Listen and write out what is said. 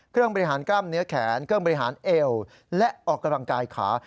บริหารกล้ามเนื้อแขนเครื่องบริหารเอวและออกกำลังกายขา